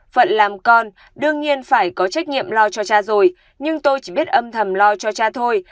phận làm con đương nhiên phải có trách nhiệm lo cho cha rồi nhưng tôi chỉ biết âm thầm lo cho cha thôi